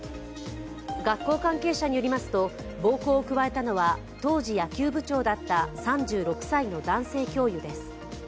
学校関係者によりますと、暴行を加えたのは当時野球部長だった３６歳の男性教諭です。